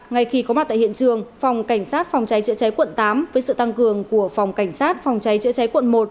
ngay khi có mặt tại hiện trường phòng cảnh sát phòng cháy chữa cháy quận tám với sự tăng cường của phòng cảnh sát phòng cháy chữa cháy quận một